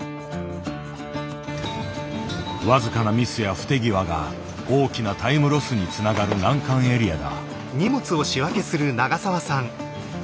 僅かなミスや不手際が大きなタイムロスにつながる難関エリアだ。